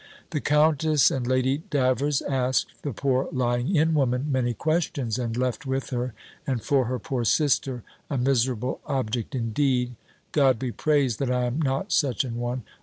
The countess and Lady Davers asked the poor lying in woman many questions, and left with her, and for her poor sister, a miserable object indeed! (God be praised that I am not such an one!)